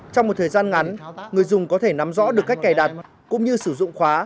trong một thời gian ngắn người dùng có thể nắm rõ được cách cài đặt cũng như sử dụng khóa